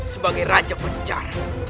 sebagai raja penjejar